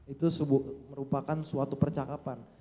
itu merupakan suatu percakapan